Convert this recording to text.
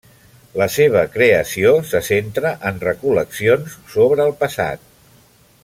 La seva creació se centra en recol·leccions sobre el passat.